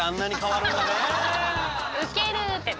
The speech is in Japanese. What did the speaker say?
ウケるってね。